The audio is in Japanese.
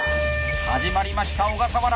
始まりました小笠原。